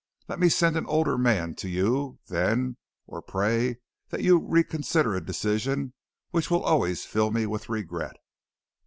Let me send an older man to you, then, or pray that you reconsider a decision which will always fill me with regret."